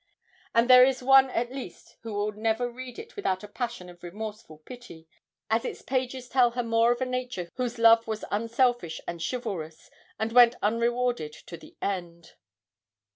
And there is one at least who will never read it without a passion of remorseful pity, as its pages tell her more of a nature whose love was unselfish and chivalrous, and went unrewarded to the end.